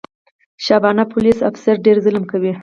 شبانه پولیس افیسره ډېر ظلم کوي.